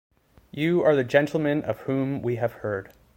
You are the gentleman of whom we have heard.